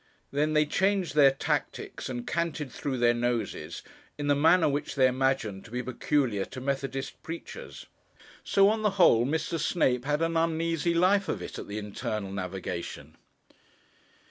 Then they changed their tactics and canted through their noses in the manner which they imagined to be peculiar to methodist preachers. So on the whole, Mr. Snape had an uneasy life of it at the Internal Navigation.